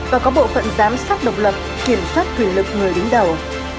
và có bộ phận giám sát độc lập kiểm soát quyền lực người đứng đầu